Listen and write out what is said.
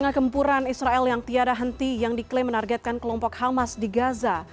kempuran israel yang tiada henti yang diklaim menargetkan kelompok hamas di gaza